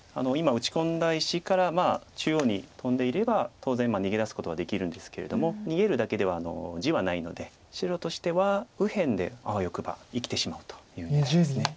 今打ち込んだ石から中央にトンでいれば当然逃げ出すことはできるんですけれども逃げるだけでは地はないので白としては右辺であわよくば生きてしまおうという狙いです。